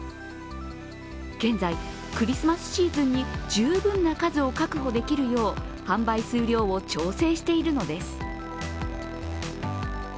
現在、クリスマスシーズンに十分な数を確保できるよう販売数量を調整しているのです。